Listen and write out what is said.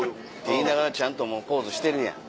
言いながらちゃんともうポーズしてるやん。